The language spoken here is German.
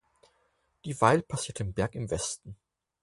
Die Weil passiert den Berg im Westen.